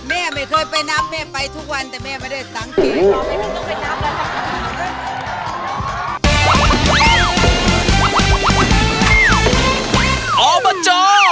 แม่ไม่เคยไปน้ำแม่ไปทุกวันแต่แม่ไม่ได้สังเกต